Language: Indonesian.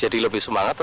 jadi lebih semangat